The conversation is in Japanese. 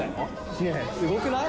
ねぇすごくない？